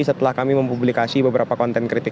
setelah kami mempublikasi beberapa konten kritik